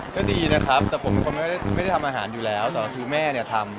ก็ดีนะครับแต่ผมเป็นคนไม่ได้ทำอาหารอยู่แล้วแต่คือแม่เนี่ยทำ